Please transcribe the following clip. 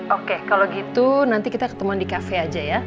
oke kalau gitu nanti kita ketemuan di cafe aja ya